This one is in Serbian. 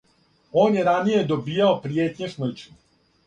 Он је раније добијао пријетње смрћу.